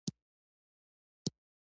دریابونه د افغانانو د ګټورتیا برخه ده.